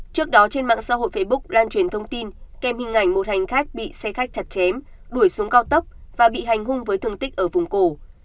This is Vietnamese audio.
trước đó trên mạng xã hội facebook lan truyền thông tin kèm hình ảnh một hành khách bị xe khách chặt chém đuổi xuống cao tốc và bị hành hung với thương tích ở vùng cổ